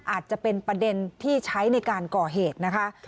อาจจะเป็นประเด็นที่ใช้ในการก่อเหตุนะคะ